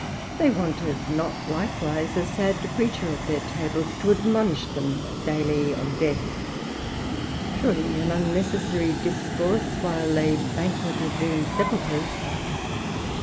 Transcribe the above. They wanted not likewise a sad preacher at their tables to admonish them daily of death, surely an unnecessary discourse while they banqueted in sepulchres.